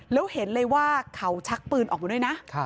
แล้วเห็นเลยว่าเขาชักปืนออกมาด้วยนะ